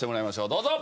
どうぞ！